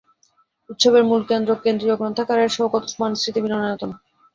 উৎসবের মূল কেন্দ্র কেন্দ্রীয় গণগ্রন্থাগারের শওকত ওসমান স্মৃতি মিলনায়তন।